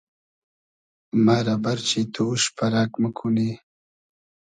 مئرۂ بئرچی تو اوش پئرئگ موکونی